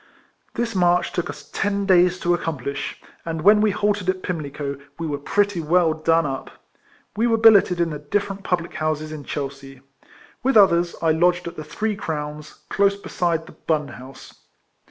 This march took us ten days to accomplish, and when we halted at Pimlico, we were pretty well done up. We were billeted in the different public houses in Chelsea. With others, I lodged at the Three Crowns, close beside the Bun House.